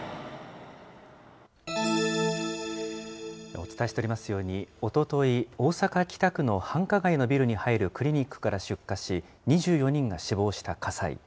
お伝えしておりますように、おととい、大阪・北区の繁華街のビルに入るクリニックから出火し、２４人が死亡した火災。